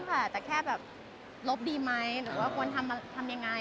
ไม่ได้ร้องค่ะแต่แค่แบบลบดีไหมหรือว่าควรทำยังไง